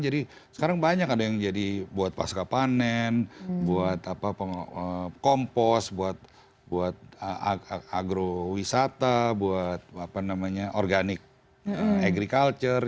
jadi sekarang banyak ada yang jadi buat pasca panen buat kompos buat agrowisata buat apa namanya organik agriculture